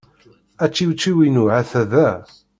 Ačiwčiw-inu hata da.